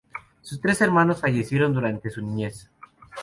Sus tres hermanos fallecieron durante su niñez.